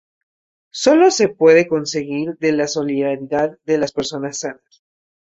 Sólo se puede conseguir de la solidaridad de las personas sanas.